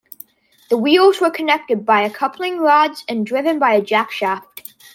The wheels were connected by coupling rods and driven by a jackshaft.